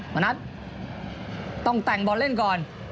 มานัทต้องแต่งบอร์นเล่นก่อน